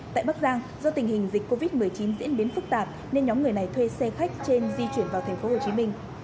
tại bắc giang do tình hình dịch covid một mươi chín diễn biến phức tạp nên nhóm người này thuê xe khách trên di chuyển vào tp hcm